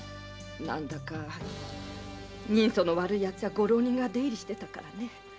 何だか人相の悪い奴やご浪人が出入りしていたからね。